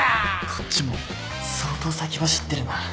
こっちも相当先走ってるな。